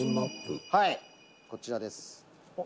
「はいこちらです」